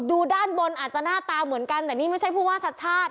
ดูด้านบนอาจจะหน้าตาเหมือนกันแต่นี่ไม่ใช่ผู้ว่าชัดชาติ